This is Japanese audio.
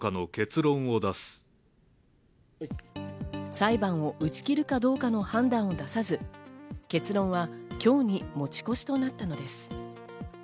裁判を打ち切るかどうかの判断を出さず、結論は今日に持ち越しとなったのです。